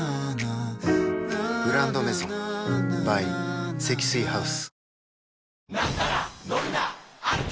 「グランドメゾン」ｂｙ 積水ハウス